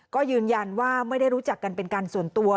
ก็ยืนยันว่าไม่ได้รู้จักกันเป็นการส่วนตัว